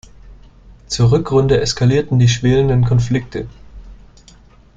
Zur Rückrunde eskalierten die schwelenden Konflikte.